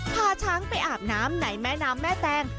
พาช้างไปอาบน้ำในแม่น้ำแม่แตง